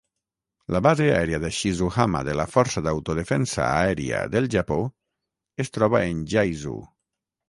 La base aèria de Shizuhama de la Força d'Autodefensa Aèria del Japó es troba en Yaizu.